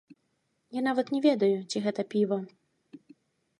Я нават не ведаю, ці гэта піва.